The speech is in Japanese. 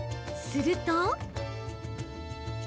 すると。